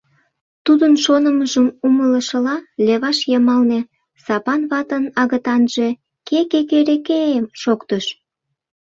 Тудын шонымыжым умылышыла, леваш йымалне Сапан ватын агытанже «ке-ке-ре-ке-э!» шоктыш.